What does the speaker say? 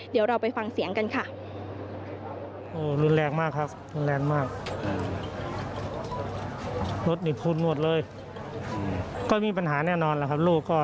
เดี๋ยวเราไปฟังเสียงกันค่ะ